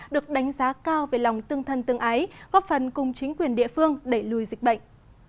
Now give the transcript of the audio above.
được đánh giá cao về lòng tương thân tương ái góp phần cùng chính quyền địa phương đẩy lùi dịch bệnh